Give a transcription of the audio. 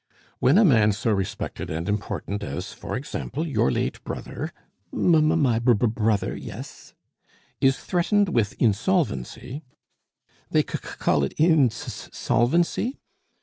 "When a man so respected and important as, for example, your late brother " "M my b b brother, yes." " is threatened with insolvency " "They c c call it in ins s solvency?"